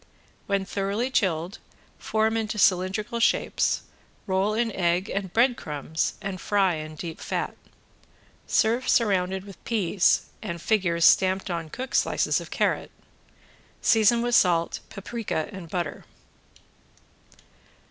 When thoroughly chilled form into cylindrical shapes, roll in egg and bread crumbs and fry in deep fat. Serve surrounded with peas and figures stamped upon cooked slices of carrot. Season with salt, paprika and butter.